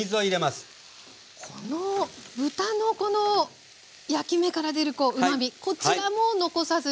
豚のこの焼き目から出るうまみこちらも残さずに。